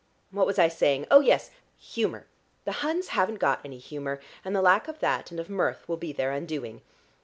What was I saying? Oh yes, humour! The Huns haven't got any humour, and the lack of that and of mirth will be their undoing.